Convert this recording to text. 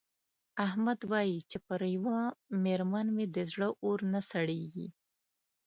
احمد وايې چې پر یوه مېرمن مې د زړه اور نه سړېږي.